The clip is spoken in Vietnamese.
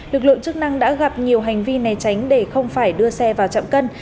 lực lượng chức năng đã gặp nhiều hành vi nè tránh để không phải đưa xe vào chậm cân